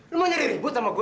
lo mau nyari ribut sama gue